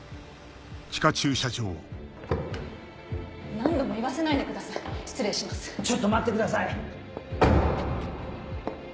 何度も言わせないでくださいちょっと待ってください